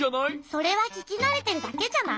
それはききなれてるだけじゃない？